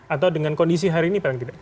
atau dengan kondisi hari ini